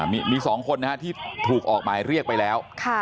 มี๒คนที่ถูกออกหมายเรียกไปแล้ว